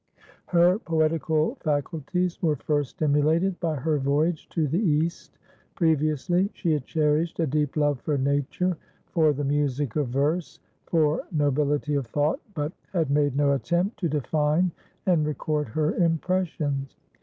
Her poetical faculties were first stimulated by her voyage to the East. Previously she had cherished a deep love for nature, for the music of verse, for nobility of thought, but had made no attempt to define and record her impressions.